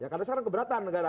karena sekarang keberatan negara